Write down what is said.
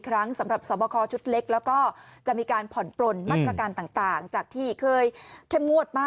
เข้าใจหัวอกเลยนะคะ